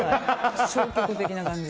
消極的な感じが。